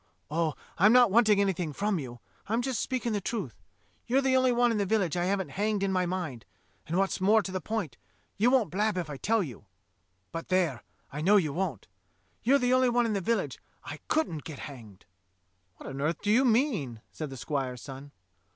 Oh, I'm not wanting anything from you; I'm just speaking the truth — you're the only one in the village I haven't hanged in my mind, and, what's more to the point, you won't blab if I tell you (but there, I know you won't), you're the only one in the village I couldnH get hanged F^ "What on earth do you mean?" said the squire's son.